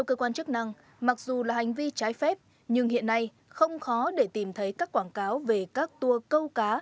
cơ quan chức năng mặc dù là hành vi trái phép nhưng hiện nay không khó để tìm thấy các quảng cáo về các tour câu cá